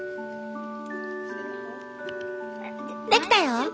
できたよ。